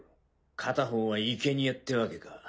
片方はいけにえってわけか。